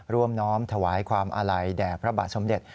ร่วมน้อมถวายความอะไหลแด่พระบาทสมเด็จ